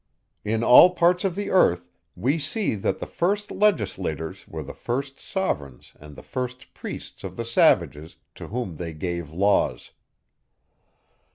In all parts of the earth, we see, that the first legislators were the first sovereigns and the first priests of the savages, to whom they gave laws.